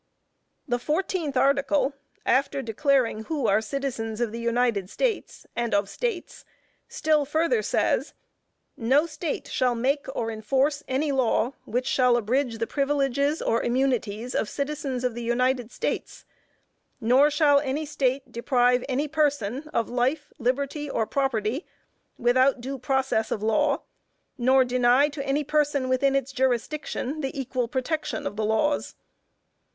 The fourteenth article, after declaring who are citizens of the United States, and of States, still further says, "No State shall make or enforce any law which shall abridge the privileges or immunities of citizens of the United States, nor shall any State deprive any person of life, liberty or property, without due process of law, nor deny to any person within its jurisdiction, the equal protection of the laws."